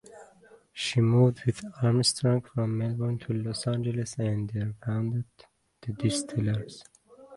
She moved with Armstrong from Melbourne to Los Angeles and there founded The Distillers.